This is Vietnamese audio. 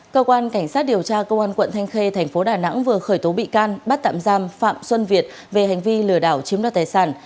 cơ quan cảnh sát điều tra công an quận thanh khê thành phố đà nẵng vừa khởi tố bị can bắt tạm giam phạm xuân việt về hành vi lừa đảo chiếm đoạt tài sản